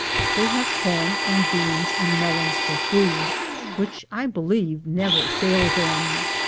They have corn and beans and melons for food, which I believe never fail them.